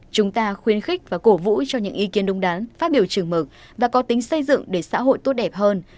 chúng ta khuyến khích và cổ vũ cho những ý kiến đúng đắn phát biểu trường mực và có tính xây dựng để xã hội tốt đẹp hơn